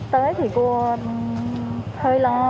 tới thì cô hơi lo